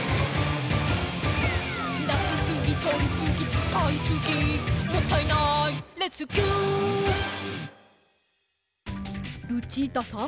「出しすぎとりすぎ使いすぎもったいないレスキュー」ルチータさん。